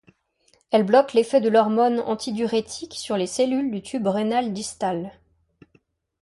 Elle bloque l’effet de l’hormone antidiurétique sur les cellules du tube rénal distal.